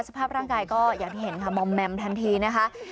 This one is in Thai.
สภาพร่างกายก็อย่างที่เห็นค่ะมอมแมมทันทีนะคะ